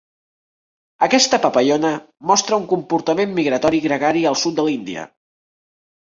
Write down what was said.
Aquesta papallona mostra un comportament migratori gregari al sud de l'Índia.